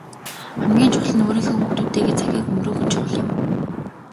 Хамгийн чухал нь өөрийнхөө хүүхдүүдтэйгээ цагийг өнгөрөөх нь чухал юм.